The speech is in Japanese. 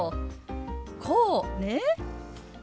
こうね？